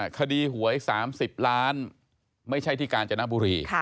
คดีหวย๓๐ล้านไม่ใช่ที่กาญจนบุรี